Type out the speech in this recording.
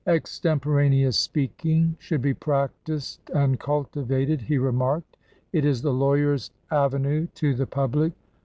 "Extemporaneous speaking should be practised and cultivated" he remarked. "It is the lawyer's avenue to the public.